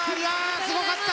すごかった！